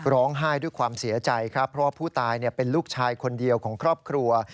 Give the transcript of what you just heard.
ร้องไห้ด้วยความเสียใจครับเพราะว่าผู้ตายเป็นลูกชายคนเดียวของครอบครัว